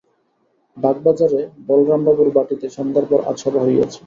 বাগবাজারে বলরামবাবুর বাটীতে সন্ধ্যার পর আজ সভা হইয়াছে।